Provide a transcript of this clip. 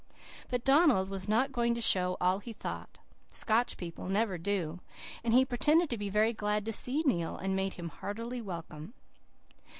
But Donald was not going to show all he thought Scotch people never do and he pretended to be very glad to see Neil and made him heartily welcome.